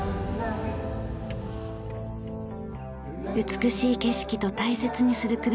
美しい景色と大切にする車。